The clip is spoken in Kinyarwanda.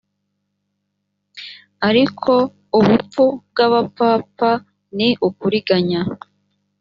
ariko ubupfu bw abapfapfa ni ukuriganya